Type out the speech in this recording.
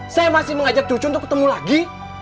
saya masih mengajak cucu untuk ketemu lagi